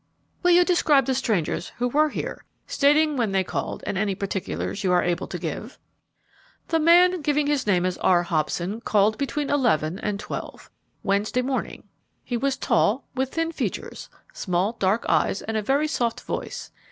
"Will you describe the strangers who were here, stating when they called and any particulars you are able to give?" "The man giving his name as R. Hobson called between eleven and twelve, Wednesday morning. He was tall, with thin features, small, dark eyes, and a very soft voice.